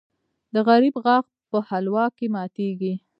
د غریب غاښ په حلوا کې ماتېږي.